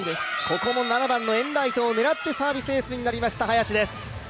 ここも７番のエンライトを狙ってサービスエースになりました、林です。